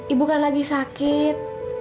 ibu kan lagi sakit